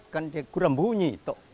kan dia kurang bunyi